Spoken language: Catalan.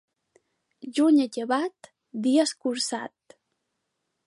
Juny acabat, dia escurçat.